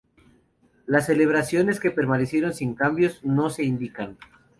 Las celebraciones que permanecieron sin cambios no se indican.